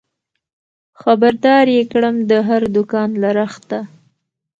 خبر دار يې کړم د هر دوکان له رخته